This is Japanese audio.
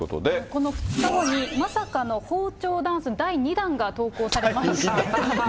この２日後に、まさかの包丁ダンス第２弾が投稿されました。